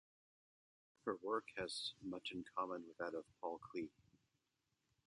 Her work has much in common with that of Paul Klee.